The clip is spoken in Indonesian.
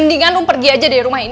ya ampun pak maafin rumah pak